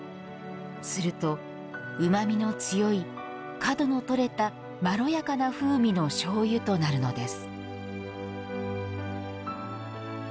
すると、うまみの強い角の取れた、まろやかな風味のしょうゆとなるのです。